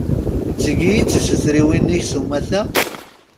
D tigi i d tisutriwin-ik s umata?